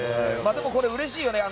でもこれ、うれしいよね。